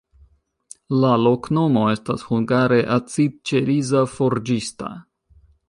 La loknomo estas hungare: acidĉeriza-forĝista.